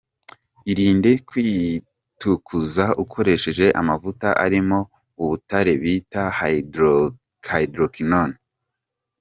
Irinde kwitukuza ukoresheje amavuta arimo ubutare bita hydroquinones.